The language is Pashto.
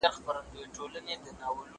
کالي ومينځه؟!